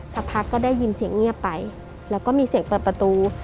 สักพักก็ได้ยินเสียงเงียบไปแล้วก็มีเสียงเปิดประตู